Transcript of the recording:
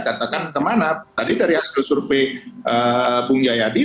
katakan kemana tadi dari hasil survei bung jaya di